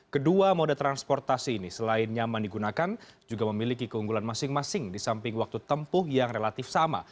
kedua mode transportasi ini selain nyaman digunakan juga memiliki keunggulan masing masing di samping waktu tempuh yang relatif sama